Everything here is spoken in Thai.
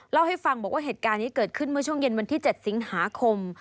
เล่าให้ฟังบอกว่าเหตุการณ์นี้เกิดขึ้นเมื่อช่วงเย็นวันที่๗สิงหาคม